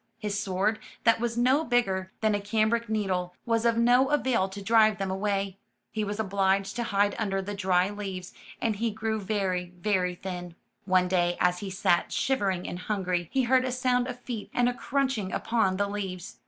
His sword, that was no bigger than a cambric needle, was of no avail to drive them away. He was obliged to hide under the dry leaves, and he grew very, very thin. One day, as he sat shivering and hungry, he heard a sound of feet and a crunch ing upon the leaves.